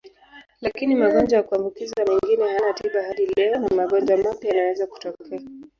Lakini magonjwa ya kuambukizwa mengine hayana tiba hadi leo na magonjwa mapya yanaweza kutokea.